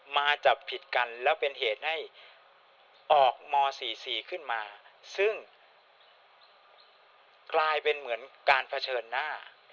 มาจับผิดกันแล้วเป็นเหตุให้ออกม๔๔ขึ้นมาซึ่งกลายเป็นเหมือนการเผชิญหน้า